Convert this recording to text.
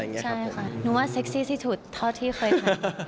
นึกว่าเซ็กซี่ซี่ทุดเท่าที่เคยทำ